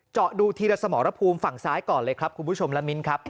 เจาะดูทีละสมรภูมิฝั่งซ้ายก่อนเลยครับคุณผู้ชมและมิ้นครับ